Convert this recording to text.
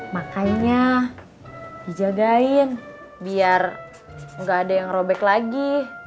makanya dijagain biar nggak ada yang robek lagi